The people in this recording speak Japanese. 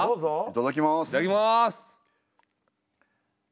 いただきます！